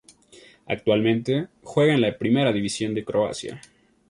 Actualmente juega en la Primera División de Croacia.